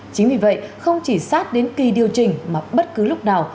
chính vì vậy không chỉ sát đến kỳ điều chỉnh mà bất cứ lúc nào